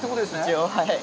一応、はい。